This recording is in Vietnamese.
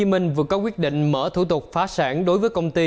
nên quyết định mở thủ tục phá sản đối với công ty